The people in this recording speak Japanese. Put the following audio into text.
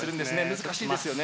難しいですよね。